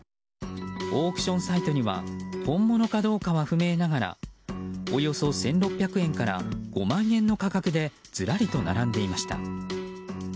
オークションサイトには本物かどうかは不明ながらおよそ１６００円から５万円の価格でずらりと並んでいました。